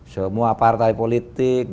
semua partai politik